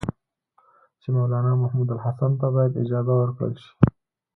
چې مولنا محمودالحسن ته باید اجازه ورکړل شي.